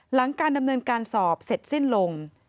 หลังการดำเนินการสอบเสร็จสิ้นลง